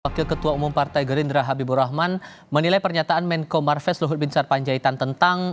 wakil ketua umum partai gerindra habibur rahman menilai pernyataan menko marves luhut bin sarpanjaitan tentang